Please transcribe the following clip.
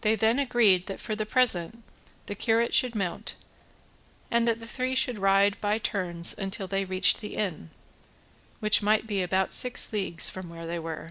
They then agreed that for the present the curate should mount, and that the three should ride by turns until they reached the inn, which might be about six leagues from where they were.